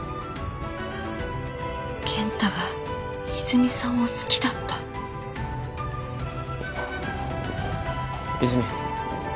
健太が泉さんを好きだった？泉。